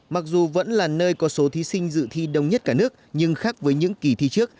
mặc dù vẫn là nơi có số thí sinh dự thi đông nhất cả nước nhưng khác với những kỳ thi trước